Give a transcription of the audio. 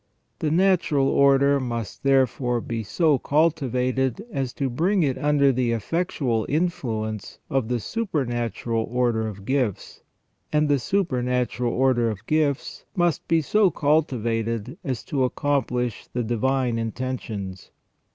The natural order must, therefore, be so cultivated as to bring it under the effectual influence of the supernatural order of gifts, and the supernatural order of gifts must be so cultivated as to accomplish the divine intentions.